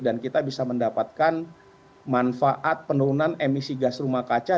dan kita bisa mendapatkan manfaat penurunan emisi gas rumah kaca